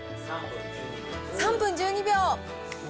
３分１２秒。